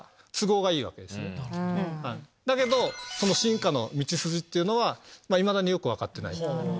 だけど進化の道筋っていうのはいまだによく分かってない。